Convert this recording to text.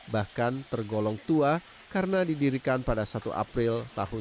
bahkan tergolong tua karena didirikan pada satu april seribu sembilan ratus lima puluh tiga